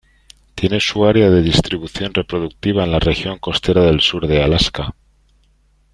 Tiene su área de distribución reproductiva en la región costera del sur de Alaska.